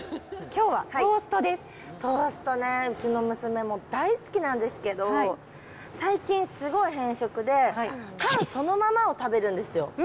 トーストね、うちの娘も大好きなんですけど、最近すごい偏食で、パンそのままを食べるんですよ。